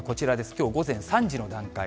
きょう午前３時の段階。